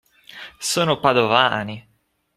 Sono Padovani.